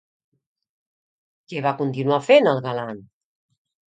Què va continuar fent el galant?